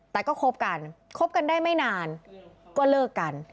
แต่ก็คบกันคบกันได้ไม่นานก็เลิกกัน